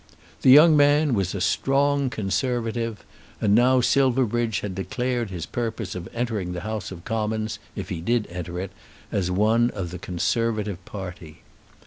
The young man was a strong Conservative; and now Silverbridge had declared his purpose of entering the House of Commons, if he did enter it, as one of the Conservative party.